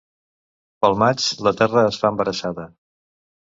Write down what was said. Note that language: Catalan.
Pel maig la terra es fa embarassada.